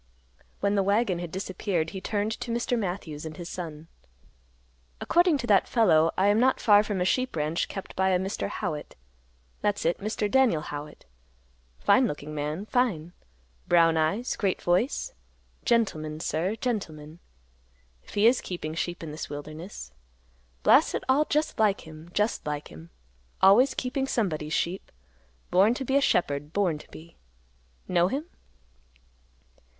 When the wagon had disappeared, he turned to Mr. Matthews and his son; "According to that fellow, I am not far from a sheep ranch kept by a Mr. Howitt. That's it, Mr. Daniel Howitt; fine looking man, fine; brown eyes; great voice; gentleman, sir, gentleman, if he is keeping sheep in this wilderness. Blast it all, just like him, just like him; always keeping somebody's sheep; born to be a shepherd; born to be. Know him?"